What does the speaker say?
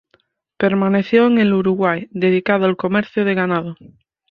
Permaneció en el Uruguay, dedicado al comercio de ganado.